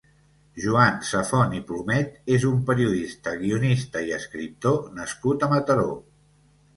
Joan Safont i Plumed és un periodista, guionista i escriptor nascut a Mataró.